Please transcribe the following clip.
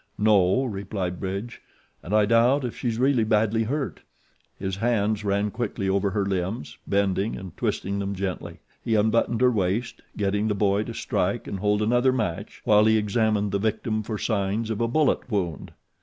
"No," replied Bridge, "and I doubt if she's badly hurt." His hands ran quickly over her limbs, bending and twisting them gently; he unbuttoned her waist, getting the boy to strike and hold another match while he examined the victim for signs of a bullet wound.